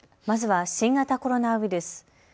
まずは新型コロナウイルス。